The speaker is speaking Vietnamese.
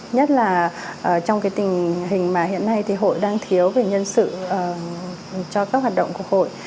nhất là trong cái tình hình mà hiện nay thì hội đang thiếu về nhân sự cho các hoạt động của hội